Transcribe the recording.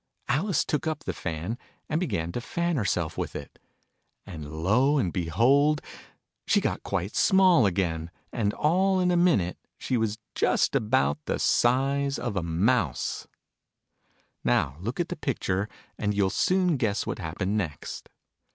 Alice took up the fan, and began to fan herself with it : and, lo and behold, she got quite small again, and, all in a minute, she was just about the size of a mouse ! Digitized by Google THE POOL OF TEARS. I I Now look at the picture, and you'll soon guess what happened next.